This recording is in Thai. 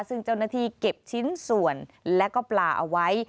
ซึ่งเจ้าหน้าที่เก็บชิ้นส่วนและก็ปลาเอาไว้